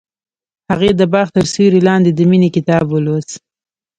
هغې د باغ تر سیوري لاندې د مینې کتاب ولوست.